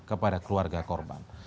kepada keluarga korban